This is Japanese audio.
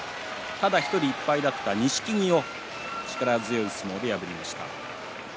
ただ１人、１敗だった錦木を力強い相撲で破りました。